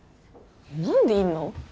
何でいんの？